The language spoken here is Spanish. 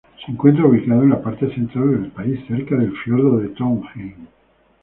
Se encuentra ubicado en la parte central del país, cerca del fiordo de Trondheim